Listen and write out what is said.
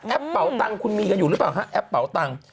แอปเป๋าตังคุณมีกันอยู่หรือเปล่าแอปเป๋าตัง